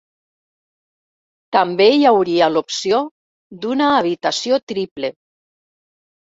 També hi hauria l'opció d'una habitació triple.